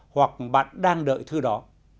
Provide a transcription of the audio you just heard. hoặc bạn đang đợi thư đó